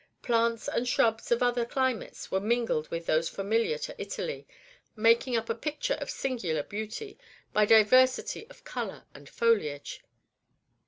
Plants and shrubs of other climates were mingled with those familiar to Italy, making up a picture of singular beauty, by diversity of color and foliage.